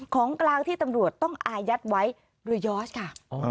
ของกลางที่ตำรวจต้องอายัดไว้หรือยอสค่ะ